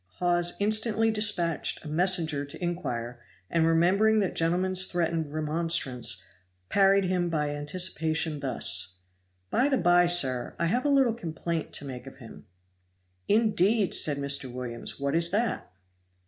Hawes instantly dispatched a messenger to inquire, and remembering that gentleman's threatened remonstrance, parried him by anticipation, thus: "By the by, sir, I have a little complaint to make of him." "Indeed!" said Mr. Williams, "what is that?"